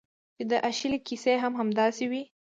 چې د اشلي کیسه هم همداسې وه